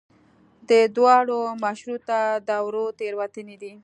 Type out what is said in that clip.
د دواړو مشروطیه دورو تېروتنې دي.